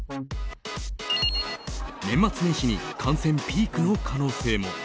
年末年始に感染ピークの可能性も。